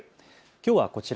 きょうはこちら。